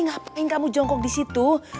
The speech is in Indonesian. ngapain kamu jongkok disitu